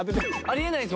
あり得ない。